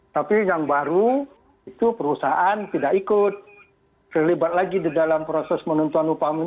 tapi yang baru itu perusahaan tidak ikut terlibat lagi di dalam proses menentukan upah minimum